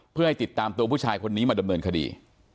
เพื่อให้ติดตามตัวผู้ชายคนนี้มาดำเนินคดี